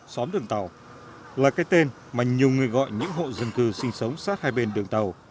xóm đường tàu là cái tên mà nhiều người gọi những hộ dân cư sinh sống sát hai bên đường tàu